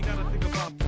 kan apa kabar sih